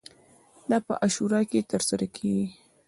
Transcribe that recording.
دا په عاشورا کې ترسره کیږي.